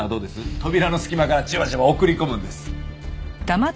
扉の隙間からじわじわ送り込むんです。